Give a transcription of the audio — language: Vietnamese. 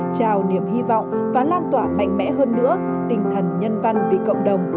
chào niềm hy vọng và lan tỏa mạnh mẽ hơn nữa tinh thần nhân văn vì cộng đồng